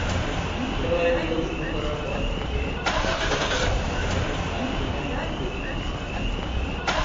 খেলোয়াড়ী জীবন শুরু করার পর থেকে অফ ব্রেক বোলার হিসেবে তার সম্যক পরিচিতি ছিল।